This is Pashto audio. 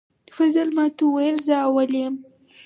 فضل ماته وویل زه اول یم